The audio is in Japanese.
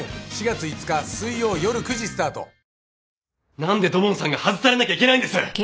なんで土門さんが外されなきゃいけないんです！？